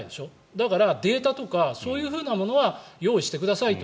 だからデータとかそういうものは用意してくださいと。